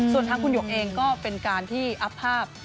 ส่วนทางคุณหยกเองก็เป็นการที่อัพภาพ